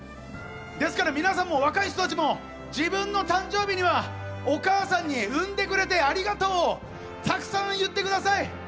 ですから、皆さんも若い人たちも自分の誕生日にはお母さんに生んでくれてありがとうをたくさん言ってください！